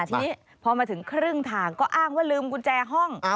ทีนี้พอมาถึงครึ่งทางก็อ้างว่าลืมกุญแจห้อง